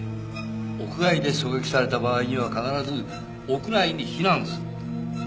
屋外で狙撃された場合には必ず屋内に避難する。